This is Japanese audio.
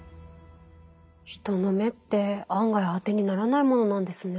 人の目って案外当てにならないものなんですね。